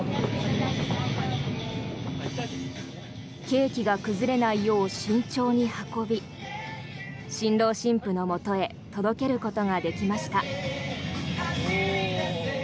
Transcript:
ケーキが崩れないよう慎重に運び新郎新婦のもとへ届けることができました。